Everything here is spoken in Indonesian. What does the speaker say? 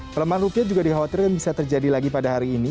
pelemahan rupiah juga dikhawatirkan bisa terjadi lagi pada hari ini